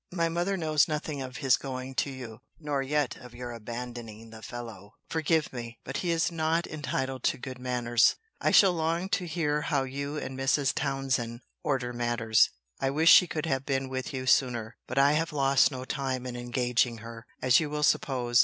My mother knows nothing of his going to you; nor yet of your abandoning the fellow. Forgive me! But he is not entitled to good manners. I shall long to hear how you and Mrs. Townsend order matters. I wish she could have been with you sooner. But I have lost no time in engaging her, as you will suppose.